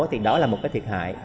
thì đó là một cái thiệt hại